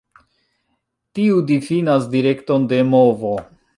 Tiu difinas direkton de movo.